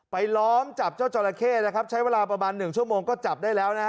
ไปล้อมจับเจ้าจอละเข้ใช้เวลาประมาณ๑ชั่วโมงก็จับได้แล้ว